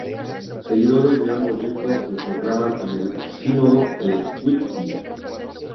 Seguidores de ambos ritos se encontraron en el Sínodo de Whitby.